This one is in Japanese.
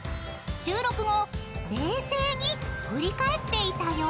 ［収録後冷静に振り返っていたよ］